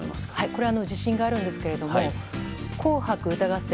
これ私、自信があるんですけど「紅白歌合戦」